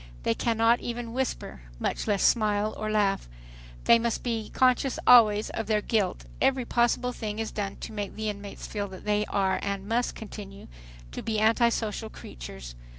They cannot even whisper, much less smile or laugh. They must be conscious always of their "guilt." Every possible thing is done to make the inmates feel that they are and must continue to be antisocial creatures.